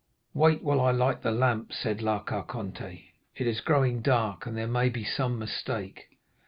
"'Wait whilst I light the lamp,' said La Carconte; 'it is growing dark, and there may be some mistake.